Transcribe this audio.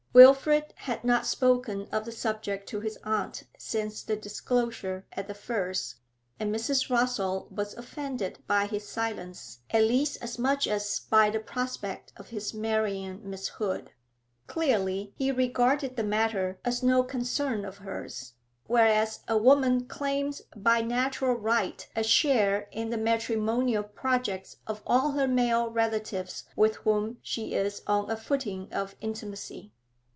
Wilfrid had not spoken of the subject to his aunt since the disclosure at The Firs, and Mrs. Rossall was offended by his silence at least as much as by the prospect of his marrying Miss Hood. Clearly he regarded the matter as no concern of hers, whereas a woman claims by natural right a share in the matrimonial projects of all her male relatives with whom she is on a footing of intimacy.